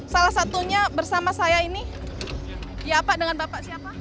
salah satunya bersama saya ini ya pak dengan bapak siapa